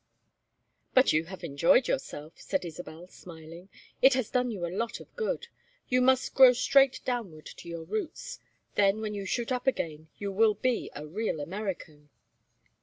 "But you have enjoyed yourself," said Isabel, smiling. "It has done you a lot of good. You must grow straight downward to your roots. Then, when you shoot up again you will be a real American."